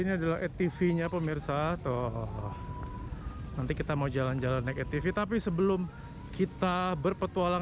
ini adalah etv nya pemirsa huh nanti kita mau jalan jalan ekospesi tapi sebelum kita berpetualang